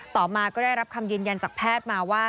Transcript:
ต่อมาก็ได้รับคำยืนยันจากแพทย์มาว่า